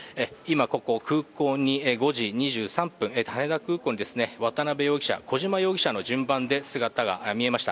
空港に５時２３分、羽田空港に渡辺容疑者、小島容疑者の順番で姿が見えました。